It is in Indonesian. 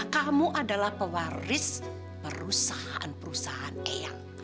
kamu adalah pewaris perusahaan perusahaan kecil